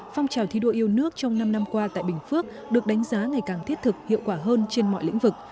phong trào thi đua yêu nước trong năm năm qua tại bình phước được đánh giá ngày càng thiết thực hiệu quả hơn trên mọi lĩnh vực